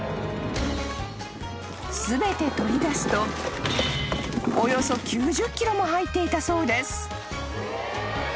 ［全て取り出すとおよそ９０ｋｇも入っていたそうです］